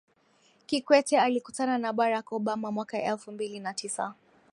kikwete alikutana na barack obama mwaka elfu mbili na tisa